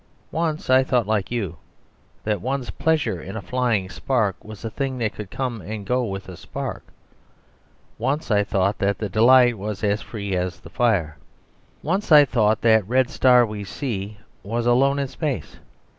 Once I thought like you, that one's pleasure in a flying spark was a thing that could come and go with that spark. Once I thought that the delight was as free as the fire. Once I thought that red star we see was alone in space.